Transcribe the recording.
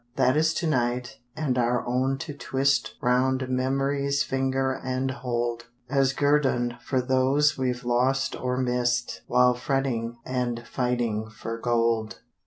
That is to night and our own to twist Round memory's finger and hold, As guerdon for those we've lost or missed While fretting and fighting for gold.